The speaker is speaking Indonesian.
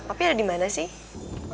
papi ada dimana sih